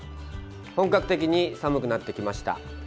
本格的に寒くなってきました。